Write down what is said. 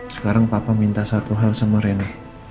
sekarang papa minta satu hal sama rena